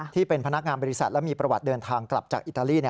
ที่เป็นพนักงานบริษัทและมีประวัติเดินทางกลับจากอิตาลี